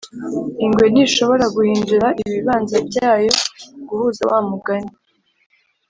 ingwe ntishobora guhindura ibibanza byayo guhuza wa mugani